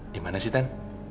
di mana sih tante